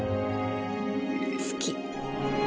好き。